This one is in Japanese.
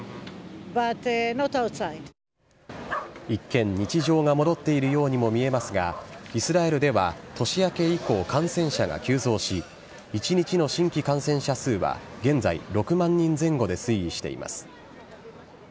一見、日常が戻っているようにも見えますが、イスラエルでは年明け以降、感染者が急増し、１日の新規感染者数は、現在６万人前後で推移しています。